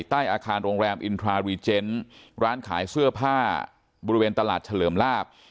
ใต้อาคารโรงแรมอินทรารีเจนร้านขายเสื้อผ้าบริเวณตลาดเฉลิมลาบ